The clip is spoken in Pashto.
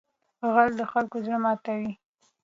غل د خلکو زړه ماتوي